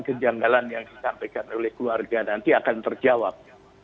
kejanggalan yang disampaikan oleh keluarga nanti akan terjawab